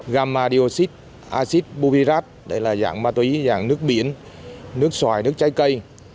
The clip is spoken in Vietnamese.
gamma dioxide acid buvirate đây là dạng ma túy dạng nước biển nước xoài nước trái cây